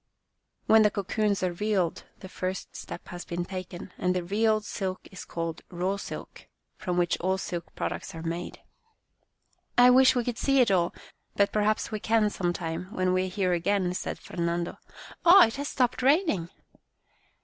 When the cocoons 84 Our Little Spanish Cousin are reeled the first step has been taken, and the reeled silk is called raw silk, from which all silk products are made." " I wish we could see it all, but perhaps we can sometime when we are here again," said Fernando. " Oh, it has stopped raining